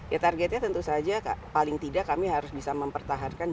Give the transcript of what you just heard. ya targetnya tentu saja paling tidak kami harus bisa mempertahankan